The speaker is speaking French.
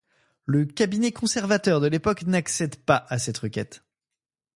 Le cabinet conservateur de l'époque n'accède pas à cette requête.